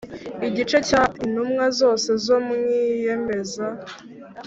igice cya Intumwa zose zo mw Iyemeza